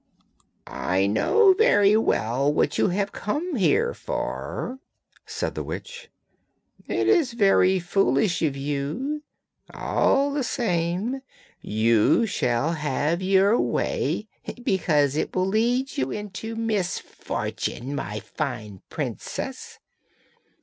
'I know very well what you have come here for,' said the witch. 'It is very foolish of you! all the same you shall have your way, because it will lead you into misfortune, my fine princess.